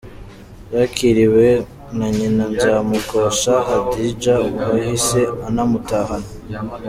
Yakiriwe na nyina Nzamukosha Hadija wahise unamutahana.